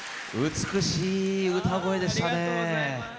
美しい歌声でしたね。